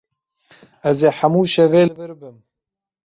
Ez ê hemû şevê li vir bim.